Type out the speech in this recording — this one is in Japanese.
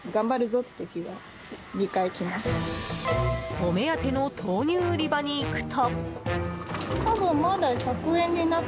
お目当ての豆乳売り場に行くと。